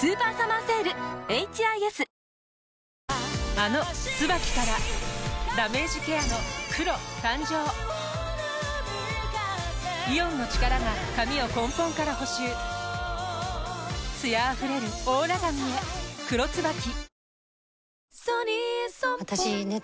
あの「ＴＳＵＢＡＫＩ」からダメージケアの黒誕生イオンの力が髪を根本から補修艶あふれるオーラ髪へ「黒ＴＳＵＢＡＫＩ」